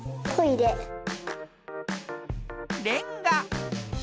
レンガ。